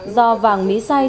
do vàng mỹ say